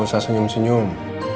gak usah senyum senyum